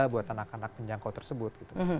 buat anak anak penjangkau tersebut